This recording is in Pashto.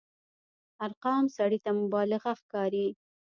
ارقام سړي ته مبالغه ښکاري.